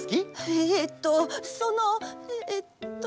えとそのえっと。